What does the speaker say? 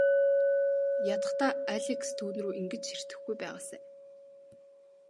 Ядахдаа Алекс түүнрүү ингэж ширтэхгүй байгаасай.